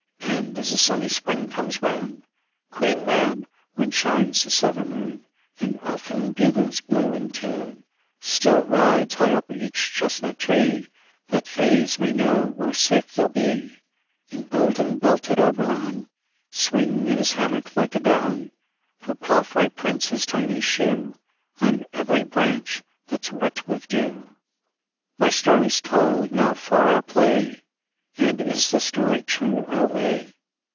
And as the sunny spring comes round, Queen Mab, when shines the silver moon, And elfin bugles blow in tune, Still rides high up each chestnut tree, That fays may know where safe they'll be, And golden belted Oberon Swing in his hammock like a Don, For palfrey prints his tiny shoe On every branch that's wet with dew. My story's told, now for our play!" "And is the story true, O May?"